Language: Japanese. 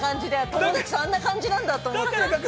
友達とはあんな感じなんだと思って。